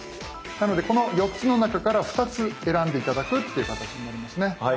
なのでこの４つの中から２つ選んで頂くっていう形になりますね。